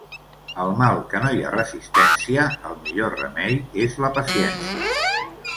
Al mal que no hi ha resistència, el millor remei és la paciència.